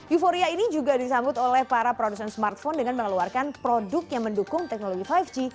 euforia ini juga disambut oleh para produsen smartphone dengan mengeluarkan produk yang mendukung teknologi lima g